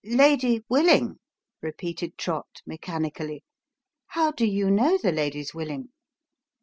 " Lady willing," repeated Trott, mechanically. " How do you know the lady's willing